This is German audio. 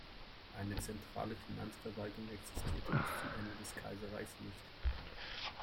Eine zentrale Finanzverwaltung existierte bis zum Ende des Kaiserreichs nicht.